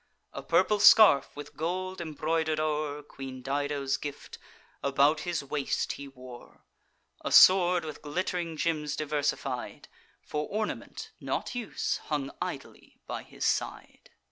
A purple scarf, with gold embroider'd o'er, (Queen Dido's gift,) about his waist he wore; A sword, with glitt'ring gems diversified, For ornament, not use, hung idly by his side.